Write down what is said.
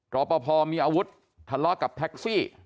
รอปภมีอาวุธทะเลาะกับแท็กซี่